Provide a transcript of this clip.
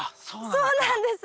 そうなんです。